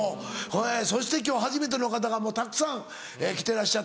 そして今日初めての方がもうたくさん来てらっしゃって。